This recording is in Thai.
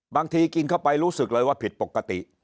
บางทีกินเข้าไปรู้สึกเลยว่าผิดปกติ